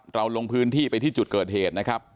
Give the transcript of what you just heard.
ลงพื้นที่ไปที่จุดเกิดเหตุนะครับ